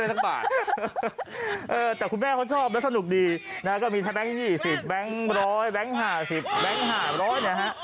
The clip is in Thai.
แต่คุณแม่เขาชอบแล้วสนุกดีนะก็มีทั้งแก๊ง๒๐แบงค์๑๐๐แบงค์๕๐แบงค์๕๐๐นะฮะ